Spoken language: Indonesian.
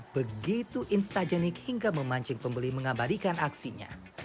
begitu instagenik hingga memancing pembeli mengabadikan aksinya